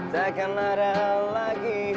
takkan ada lagi